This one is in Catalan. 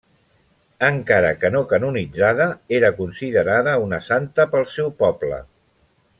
Encara que no canonitzada, era considerada una santa pel seu poble.